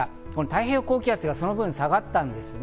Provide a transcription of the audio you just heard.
太平洋高気圧はその分、下がったんですね。